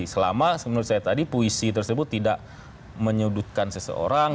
selama menurut saya tadi puisi tersebut tidak menyudutkan seseorang